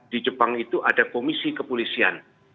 di jepang itu ada komisi kepolisian